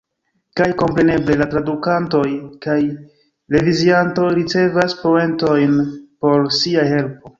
Kaj, kompreneble, la tradukantoj kaj reviziantoj ricevas poentojn por sia helpo.